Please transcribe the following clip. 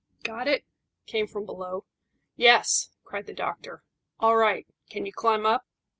"Got it?" came from below. "Yes," cried the doctor. "All right. Can you climb up?"